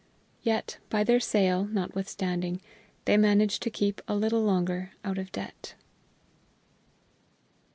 Yet by their sale, notwithstanding, they managed to keep a little longer out of debt.